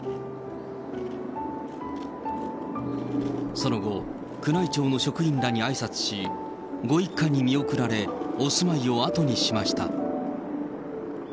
その後、宮内庁の職員らにあいさつし、ご一家に見送られ、お住まいを後にしました。